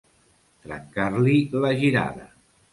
Trencar-li la girada.